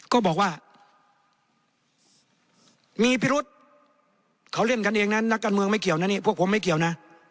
ก็บอกว่ามีพิรุษเขาเล่นกันเองนะนักการเมืองไม่เกี่ยวนะนี่พวกผมไม่เกี่ยวนะ